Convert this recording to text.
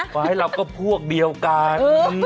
มาให้เราก็พวกเดียวกัน